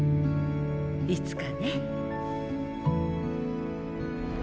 いつかね。